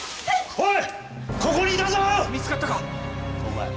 おい！